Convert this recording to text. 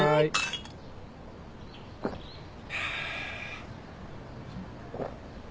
ハァ。